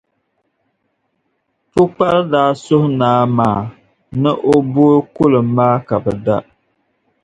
Pukpari daa suhi Naa maa ni o booi kulim maa ka be da.